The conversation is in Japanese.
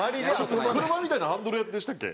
車みたいなハンドルでしたっけ？